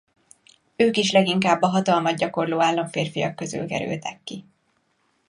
Ők is leginkább a hatalmat gyakorló államférfiak közül kerültek ki.